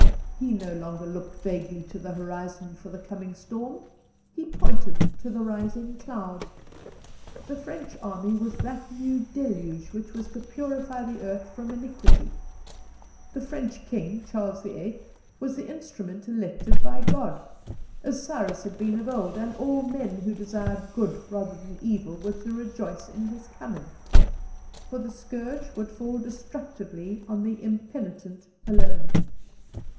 He no longer looked vaguely to the horizon for the coming storm: he pointed to the rising cloud. The French army was that new deluge which was to purify the earth from iniquity; the French king, Charles the Eighth, was the instrument elected by God, as Cyrus had been of old, and all men who desired good rather than evil were to rejoice in his coming. For the scourge would fall destructively on the impenitent alone.